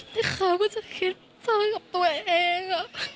นี่เคยก็จะคิดเจอกับตัวเอง